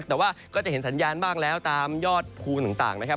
แต่ว่าก็จะเห็นสัญญาณบ้างแล้วตามยอดภูต่างนะครับ